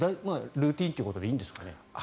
ルーチンということでいいんですかね。